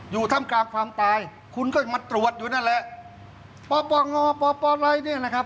อยู่ท่ำกลางความตายคุณก็ยังมาตรวจอยู่นั่นแหละ